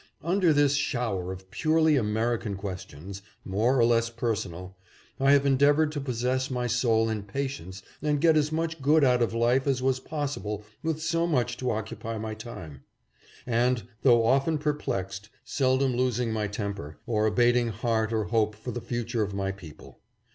Under this shower of purely American questions, more or less personal, I have en deavored to possess my soul in patience and get as much good out of life as was possible with so much to occupy my time ; and, though often perplexed, seldom losing my temper, or abating heart or hope for the future of my people.